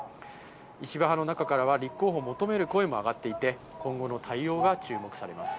石破派の中からは立候補を求める声も上がっていて、今後の対応が注目されます。